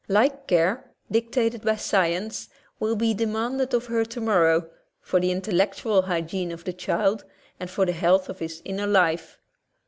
Like care, dictated by science, will be demanded of her tomorrow, for the intellectual hygiene of the child and for the health of his inner life.